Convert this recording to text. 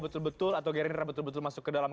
betul betul atau gerindra betul betul masuk ke dalam